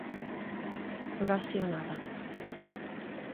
Horacio Nava